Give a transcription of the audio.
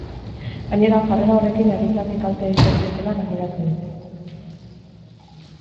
Gainera, jarrera horrekin herritarrei kalte egiten dietela gaineratu dute.